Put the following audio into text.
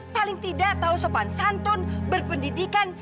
paling tidak tahu sopan santun berpendidikan